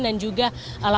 dan juga alam pemerintah